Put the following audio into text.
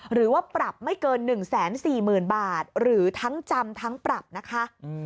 หรือว่าปรับไม่เกิน๑๔๐๐๐บาทหรือทั้งจำทั้งปรับนะคะ